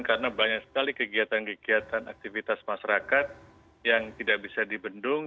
karena banyak sekali kegiatan kegiatan aktivitas masyarakat yang tidak bisa dibendung